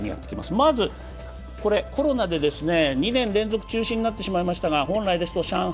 まずコロナで２年連続中止になってしまいましたが、本来ですと、上海